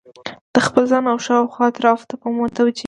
د خپل ځان او شاوخوا اطرافو ته به متوجه وي